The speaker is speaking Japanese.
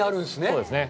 そうですね。